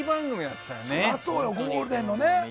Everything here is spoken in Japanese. ゴールデンでね。